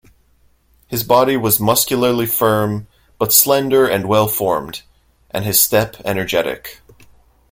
His body was muscularly firm, but slender and well-formed, and his step energetic.